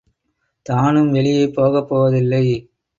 தானும் வெளியே போகப்போவதில்லை.